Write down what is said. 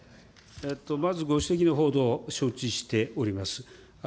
まずご指摘の報道、承知しております。